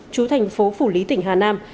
chú thành phố phủ lý tỉnh hà nam